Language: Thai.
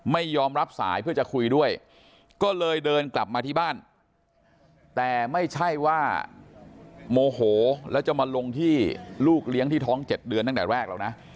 ไม่ยอมรับสายเพื่อจะคุยด้วยก็เลยเดินกลับมาที่บ้านแต่ไม่ใช่ว่าโมโหแล้วจะมาลงที่ลูกเลี้ยงที่ท้อง๗เดือนตั้งแต่แรกหรอกนะ